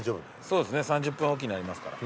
そうですね３０分置きにありますから。